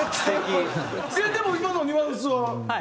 でも今のニュアンスは。